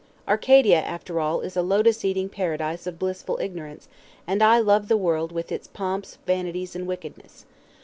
Arcadia, after all, is a lotus eating Paradise of blissful ignorance, and I love the world with its pomps, vanities, and wickedness.